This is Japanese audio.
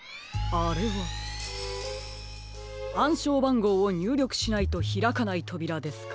あんしょうばんごうをにゅうりょくしないとひらかないとびらですか？